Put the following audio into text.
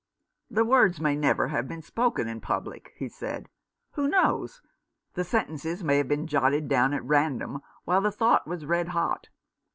"The words may never have been spoken in public," he said. " Who knows ? The sentences may have been jotted down at random, while the thought was red hot.